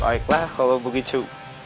baiklah kalau begitu